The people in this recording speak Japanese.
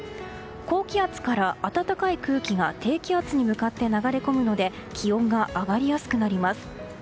高気圧から暖かい空気が低気圧に向かって流れ込むので気温が上がりやすくなります。